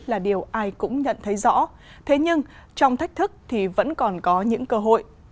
là điều ai cũng nhận thấy rõ thế nhưng trong thách thức thì vẫn còn có những cơ hội